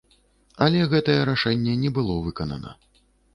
Але гэтае рашэнне не было выканана.